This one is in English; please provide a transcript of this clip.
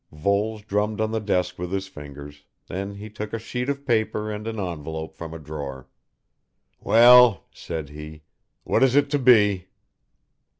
Voles drummed on the desk with his fingers, then he took a sheet of paper and an envelope from a drawer. "Well," said he, "what is it to be?"